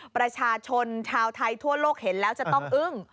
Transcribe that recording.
ประชาชนชาวไทยทั่วโลกเห็นแล้วจะต้องอึ้ง